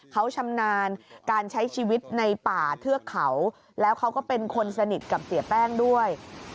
เขาชำนาญการใช้ชีวิตในป่าเทือกเขาแล้วเขาก็เป็นคนสนิทกับเสียแป้งด้วย